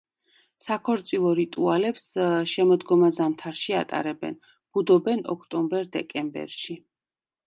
საქორწილო რიტუალებს შემოდგომა–ზამთარში ატარებენ, ბუდობენ ოქტომბერ–დეკემბერში.